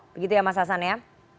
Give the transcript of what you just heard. begitu ya mas hasan ya